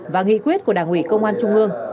và nghị quyết của đảng ủy công an trung ương